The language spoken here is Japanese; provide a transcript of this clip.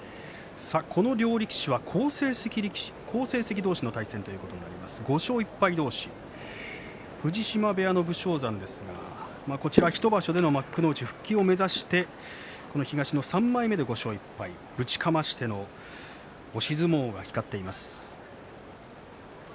両力士が好成績力士と５勝１敗同士藤島部屋の武将山ですが１場所での幕内復帰を目指して東の３枚目で５勝１敗ぶちかましての押し相撲が光っています。